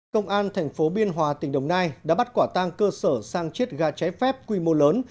công an tp biên hòa tỉnh đồng nai đã bắt quả tang cơ sở sang chiết gà cháy phép quy mô lớn